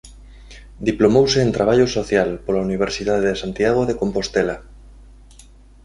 Diplomouse en traballo social pola Universidade de Santiago de Compostela.